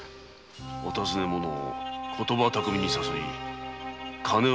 お尋ね者を言葉巧みに誘い金を奪ったうえに殺す。